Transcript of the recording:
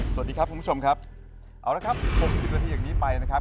สวัสดีครับคุณผู้ชมครับเอาละครับ๖๐นาทีอย่างนี้ไปนะครับ